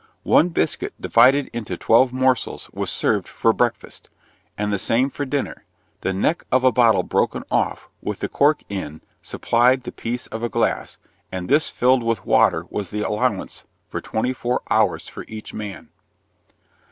One biscuit, divided into twelve morsels, was served for breakfast, and the same for dinner; the neck of a bottle broken off, with the cork in, supplied the place of a glass; and this filled with water was the allowance for twenty four hours for each man.